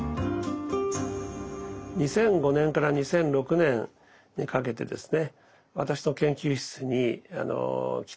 ２００５年から２００６年にかけてですね